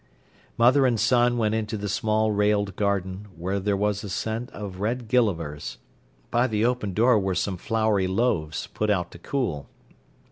Mother and son went into the small railed garden, where was a scent of red gillivers. By the open door were some floury loaves, put out to cool.